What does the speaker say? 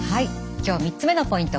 今日３つ目のポイント